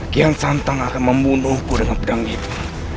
kian santang akan membunuhku dengan pedang itu